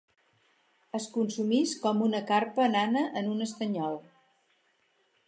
Es consumís com una carpa nana en un estanyol.